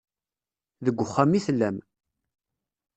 Deg uxxam i tellam.